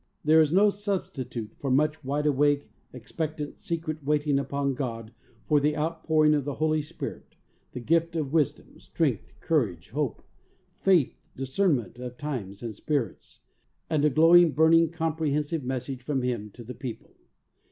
There is no sub stitute for much wide awake, expectant, secret waiting upon God for the outpouring of the Holy Spirit, the gift of wisdom, strength, courage, hope, faith, discernment of times and spirits, and a glowing, burning, comprehensive message from Him to the people.